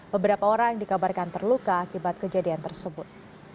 beberapa orang dikabarkan terluka akibat kejadian tersebut